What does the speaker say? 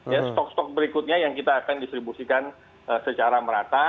ya stok stok berikutnya yang kita akan distribusikan secara merata